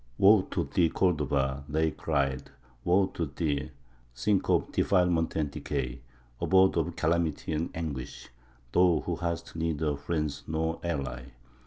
"Woe to thee, Cordova!" they cried, "woe to thee, sink of defilement and decay, abode of calamity and anguish, thou who hast neither friend nor ally!